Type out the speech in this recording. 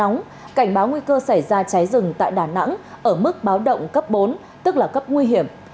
cảnh báo nguy cơ xảy ra cháy rừng tại đà nẵng ở mức báo động cấp bốn tức là cấp nguy hiểm